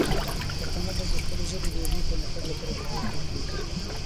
پښتانه باید د خپلې ژبې د علمي پرمختګ لپاره کوښښ وکړي.